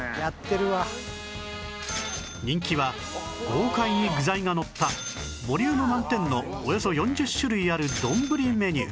人気は豪快に具材がのったボリューム満点のおよそ４０種類あるどんぶりメニュー